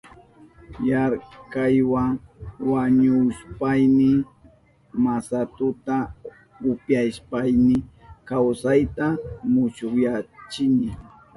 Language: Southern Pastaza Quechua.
Yarkaywa wañuhushpayni masatuta upyashpayni kawsayta musyashkani.